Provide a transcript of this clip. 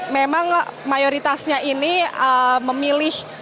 memang mayoritasnya ini memilih